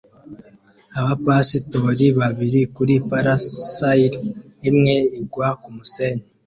Abapasitori babiri kuri parasail imwe igwa kumusenyi